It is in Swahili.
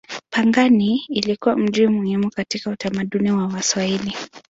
Pangani ilikuwa mji muhimu katika utamaduni wa Waswahili.